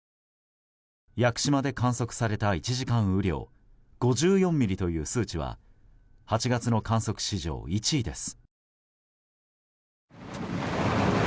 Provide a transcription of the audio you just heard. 屋久島で観測された１時間雨量５４ミリという数値は８月の観測史上１位です。